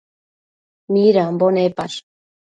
Midambo nepash?